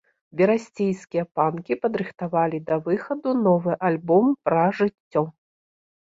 Берасцейскія панкі падрыхтавалі да выхаду новы альбом пра жыццё.